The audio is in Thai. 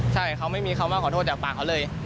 ใช่เขาไม่มีคำว่าขอโทษจากปากเขาเลย